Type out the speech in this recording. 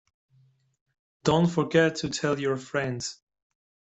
Don't forget to tell your friends.